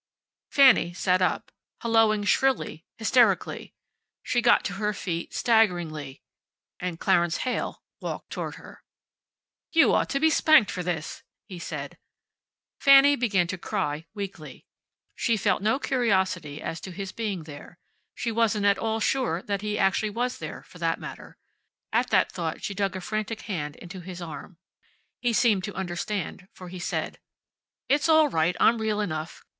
Fanny sat up, helloing shrilly, hysterically. She got to her feet, staggeringly. And Clarence Heyl walked toward her. "You ought to be spanked for this," he said. Fanny began to cry weakly. She felt no curiosity as to his being there. She wasn't at all sure that he actually was there, for that matter. At that thought she dug a frantic hand into his arm. He seemed to understand, for he said, "It's all right. I'm real enough.